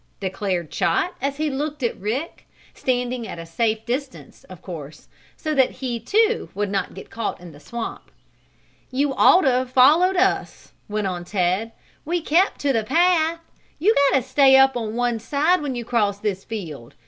declared Chot, as he looked at Rick standing at a safe distance, of course, so that he, too, would not get caught in the swamp. "You ought to have followed us," went on Ted. "We kept to the path. You got to stay up on one side when you cross this field.